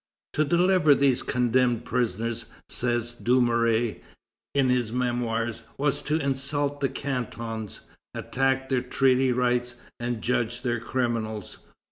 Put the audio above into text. "To deliver these condemned prisoners," says Dumouriez in his Memoirs, "was to insult the Cantons, attack their treaty rights, and judge their criminals.